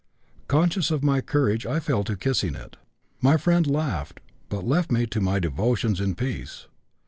Conscious of my courage I fell to kissing it. My friend laughed, but left me to my devotions in peace.